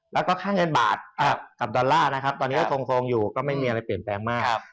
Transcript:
แล้วก็ค่าเงินบาทกับดอลลาร์นะครับตอนนี้ก็คงอยู่ก็ไม่มีอะไรเปลี่ยนแปลงมาก